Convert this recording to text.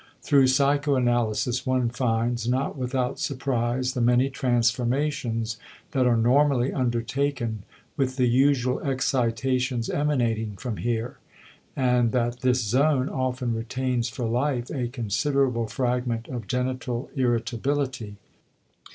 Through psychoanalysis one finds, not without surprise, the many transformations that are normally undertaken with the usual excitations emanating from here, and that this zone often retains for life a considerable fragment of genital irritability.